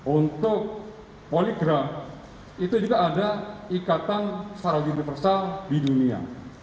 untuk poligraf itu juga ada ikatan secara universal di dunia